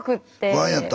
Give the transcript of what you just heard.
不安やった？